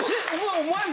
お前も？